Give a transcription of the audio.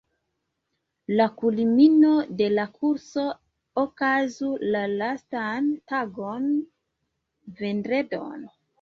La kulmino de la kurso okazu la lastan tagon, vendredon.